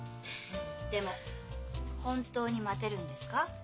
でも本当に待てるんですか？